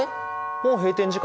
もう閉店時間？